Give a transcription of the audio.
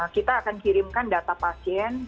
kita akan kirimkan data pasien